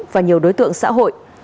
và nhiều đối tượng xã hội